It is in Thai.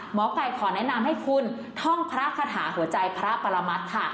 หมอไก่ขอแนะนำให้คุณท่องพระคาถาหัวใจพระปรมัติค่ะ